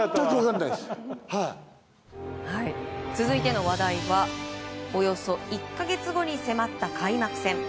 続いての話題はおよそ１か月後に迫った開幕戦。